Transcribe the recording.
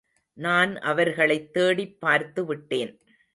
நான் அவர்களைத் தேடிப் பார்த்து விட்டேன்.